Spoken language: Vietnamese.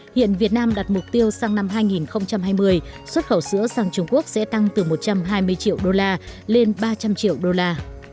hiện việt nam đặt mục tiêu sang năm hai nghìn hai mươi xuất khẩu sữa sang trung quốc sẽ tăng từ một trăm hai mươi triệu đô la lên ba trăm linh triệu đô la